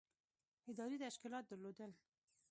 ادارې تشکیلات درلودل.